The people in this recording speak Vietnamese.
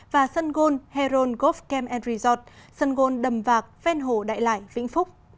và sân gôn heron golf camp resort sân gôn đầm vạc phen hồ đại lải vĩnh phúc